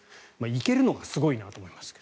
行けるのがすごいなと思いますが。